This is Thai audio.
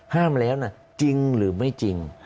ห้ามแล้วนะจริงหรือไม่จริง